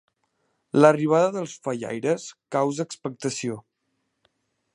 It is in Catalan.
L'arribada dels fallaires causa expectació.